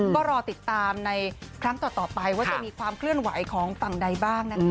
ก็รอติดตามในครั้งต่อไปว่าจะมีความเคลื่อนไหวของฝั่งใดบ้างนะคะ